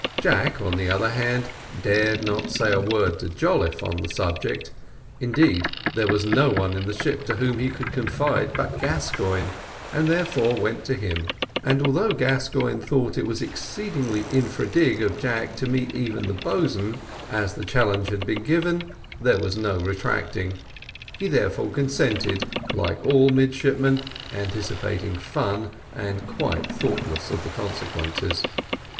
Jack, on the other hand, dared not say a word to Jolliffe on the subject: indeed, there was no one in the ship to whom he could confide but Gascoigne: he therefore went to him, and although Gascoigne thought it was excessively infra dig of Jack to meet even the boatswain, as the challenge had been given there was no retracting: he therefore consented, like all midshipmen, anticipating fun, and quite thoughtless of the consequences.